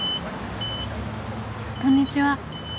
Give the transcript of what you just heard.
こんにちは。